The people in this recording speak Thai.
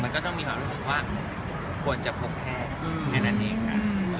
ก็ต้องมีความรู้สึกว่าควรจะพบแค้นอันนี้ค่ะ